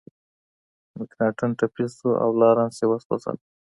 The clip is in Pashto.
مکناتن ټپي شو او لارنس یې وسوځاوه.